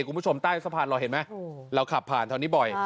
คุณผู้ชมใต้สะพานลอยเห็นไหมเราขับผ่านแถวนี้บ่อย